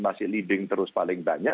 masih leading terus paling banyak